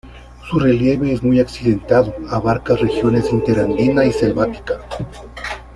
Su relieve es muy accidentado, abarca regiones interandina y selvática.